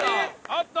あった！